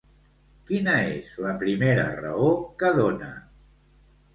Quina és la primera raó que dona?